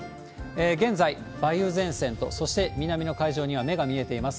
現在、梅雨前線と、そして南の海上には目が見えています